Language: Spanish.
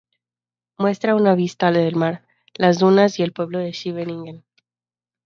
Muestra una vista del mar, las dunas y el pueblo de Scheveningen.